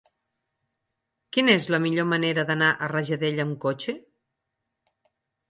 Quina és la millor manera d'anar a Rajadell amb cotxe?